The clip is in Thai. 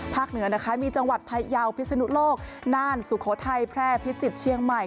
เหนือนะคะมีจังหวัดพยาวพิศนุโลกน่านสุโขทัยแพร่พิจิตรเชียงใหม่